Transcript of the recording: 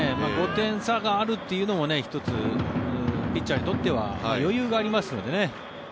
５点差があるというのも１つ、ピッチャーにとっては余裕がありますのでね。